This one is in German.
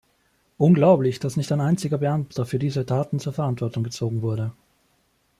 Unglaublich, dass nicht ein einziger Beamter für diese Taten zur Verantwortung gezogen wurde!